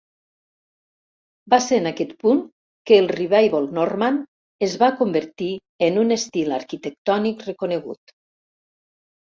Va ser en aquest punt que el Revival normand es va convertir en un estil arquitectònic reconegut.